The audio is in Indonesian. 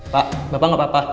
pak bapak nggak apa apa